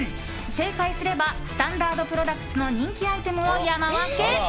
正解すればスタンダードプロダクツの人気アイテムを山分け。